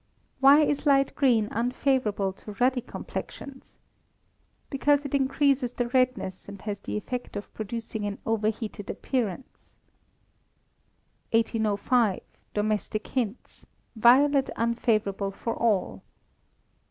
Why is light green unfavourable to ruddy complexions? Because it increases the redness, and has the effect of producing an overheated appearance. 1805. Domestic Hints (Violet Unfavourable for All).